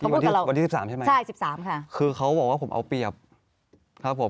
วันที่๑๓ใช่ไหมคะคือเขาบอกว่าผมเอาเปรียบครับผม